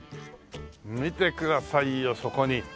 見てくださいよそこに。